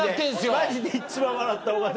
マジで一番笑った尾形で。